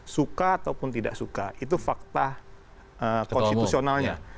suka ataupun tidak suka itu fakta konstitusionalnya